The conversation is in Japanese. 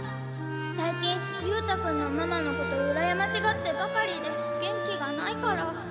最近勇太君のママのことうらやましがってばかりで元気がないから。